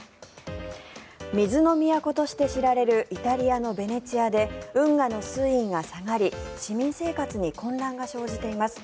水の都として知られるイタリアのベネチアで運河の水位が下がり市民生活に混乱が生じています。